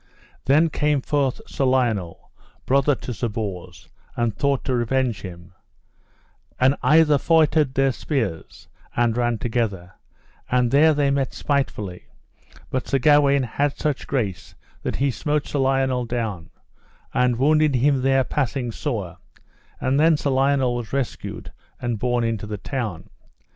Then came forth Sir Lionel, brother to Sir Bors, and thought to revenge him; and either feutred their spears, and ran together; and there they met spitefully, but Sir Gawaine had such grace that he smote Sir Lionel down, and wounded him there passing sore; and then Sir Lionel was rescued and borne into the town.